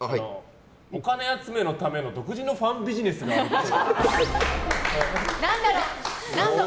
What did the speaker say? お金集めのための独自のファンビジネスがあるっぽい。